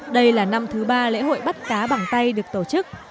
đây là năm thứ ba lễ hội bắt cá bằng tay được tổ chức